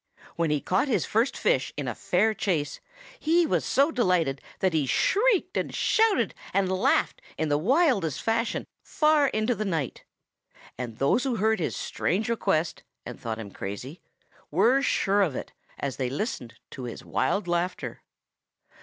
When he caught his first fish in a fair chase, he was so delighted that he shrieked and shouted and laughed in the wildest fashion far into the night. And those who had heard his strange request and thought him crazy were sure of it, as they listened to his wild laughter.